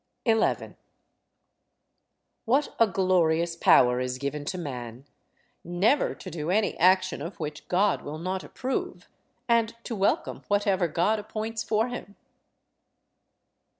11. What a glorious power is given to man, never to do any action of which God will not approve, and to welcome whatever God appoints for him!